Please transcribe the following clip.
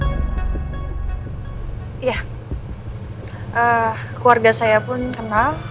keluarga saya pun kenal